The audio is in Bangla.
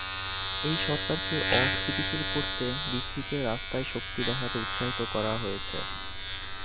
এই সরকারকে অস্থিতিশীল করতে রিজভিকে রাস্তায় শক্তি দেখাতে উৎসাহিত করা হয়েছে।